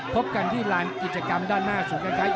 พบกันที่ล้านกิจกรรมด้านหน้าสูงคล้าย